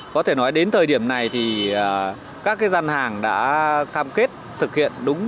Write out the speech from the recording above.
có thể nói đến thời điểm này các gian hàng đã tham kết thực hiện đúng